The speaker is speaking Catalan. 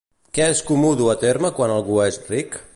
Què és comú dur a terme quan algú és ric?